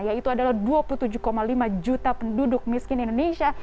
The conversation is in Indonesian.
yaitu adalah dua puluh tujuh lima juta penduduk miskin di indonesia